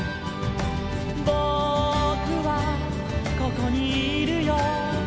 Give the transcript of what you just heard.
「ぼくはここにいるよ」